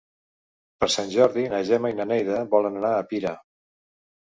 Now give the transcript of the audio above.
Per Sant Jordi na Gemma i na Neida volen anar a Pira.